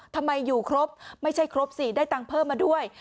อยู่ครบไม่ใช่ครบสิได้ตังค์เพิ่มมาด้วย